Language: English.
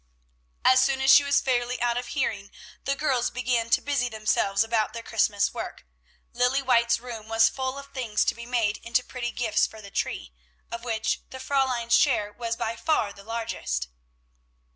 As soon as she was fairly out of hearing, the girls began to busy themselves about their Christmas work. Lilly White's room was full of things to be made into pretty gifts for the tree, of which the Fräulein's share was by far the largest.